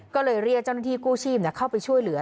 ก็เลยเรียกเจ้าหน้าที่กู้ชีพเข้าไปช่วยเหลือ